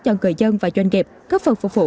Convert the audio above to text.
cho người dân và doanh nghiệp góp phần phục vụ